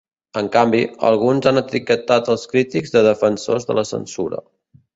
En canvi, alguns han etiquetat els crítics de "defensors de la censura".